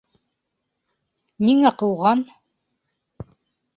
Ниңә ҡыуған?